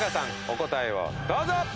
お答えをどうぞ。